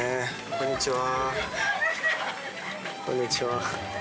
こんにちは。